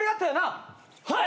はい！